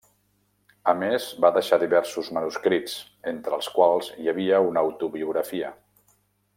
A més, va deixar diversos manuscrits, entre els quals hi havia una autobiografia.